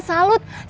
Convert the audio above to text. tak dari anak mu